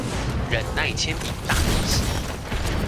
忍耐鉛筆大逆襲